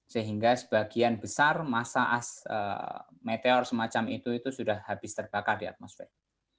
sehingga sebagian besar masa meteor semacam itu itu sudah habis terbakar di atmosfer